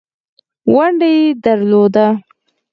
ونډه یې درلوده.